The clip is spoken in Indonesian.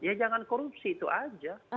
ya jangan korupsi itu aja